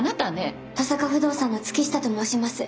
登坂不動産の月下と申します。